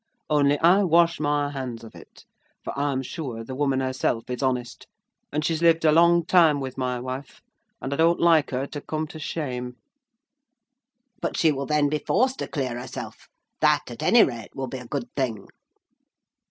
Only I wash my hands of it; for I am sure the woman herself is honest, and she's lived a long time with my wife, and I don't like her to come to shame." "But she will then be forced to clear herself. That, at any rate, will be a good thing."